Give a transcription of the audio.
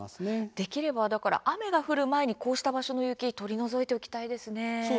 できれば雨が降る前にこうした場所の雪取り除いておきたいですね。